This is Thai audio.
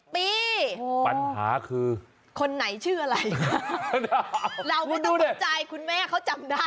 ปีปัญหาคือคนไหนชื่ออะไรเราไม่ต้องสนใจคุณแม่เขาจำได้